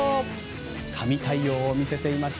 神対応を見せていました。